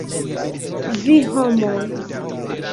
Vi, homoj!